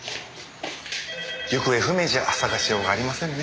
行方不明じゃ捜しようがありませんね。